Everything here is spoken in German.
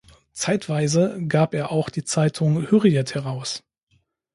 Zeitweise gab er auch die Zeitung "Hürriyet" heraus.